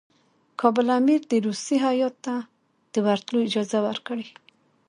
کابل امیر دي روسي هیات ته د ورتلو اجازه ورکړي.